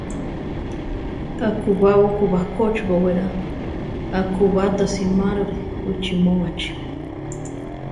Akubá uku bakochi bowerá; akubá ta simárore wichimóbachi.